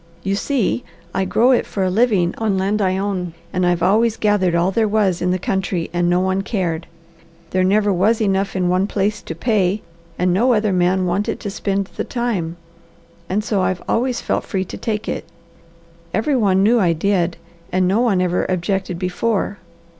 "You see, I grow it for a living on land I own, and I've always gathered all there was in the country and no one cared. There never was enough in one place to pay, and no other man wanted to spend the time, and so I've always felt free to take it. Every one knew I did, and no one ever objected before.